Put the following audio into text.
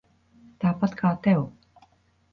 Tāpat kā tev.